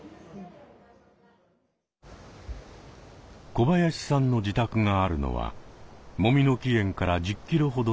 小林さんの自宅があるのはもみの木苑から１０キロほどの場所。